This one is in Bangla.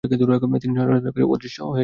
তিনি জনসাধারণ থেকে অদৃশ্য হয়ে যান।